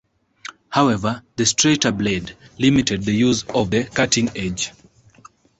However, the straighter blade limited the use of the cutting edge.